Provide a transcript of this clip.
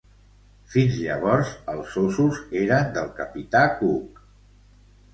Fins llavors els ossos eren del capità Cook.